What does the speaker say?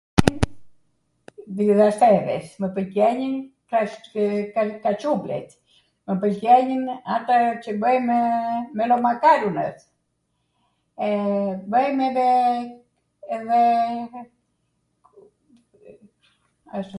...mw pwlqenin kaCuflet, mw pwlqenin ata qw bwjmw melomakarunet, bwjm edhe ... ashtu